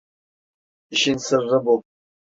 İşin sırrı bu.